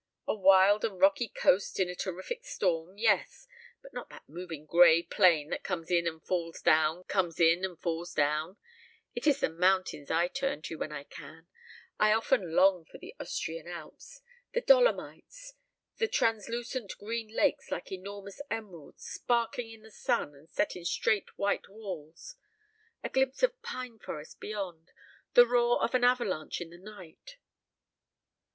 A wild and rocky coast in a terrific storm, yes but not that moving gray plain that comes in and falls down, comes in and falls down. It is the mountains I turn to when I can. I often long for the Austrian Alps. The Dolomites! The translucent green lakes like enormous emeralds, sparkling in the sun and set in straight white walls. A glimpse of pine forest beyond. The roar of an avalanche in the night."